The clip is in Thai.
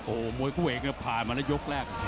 โอ้โหมวยคู่เอกเนี่ยผ่านมาในยกแรก